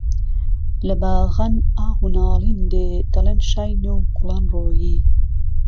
له باغان ئاه و ناڵین دێ، دهڵێن شای نێو گوڵان رۆیی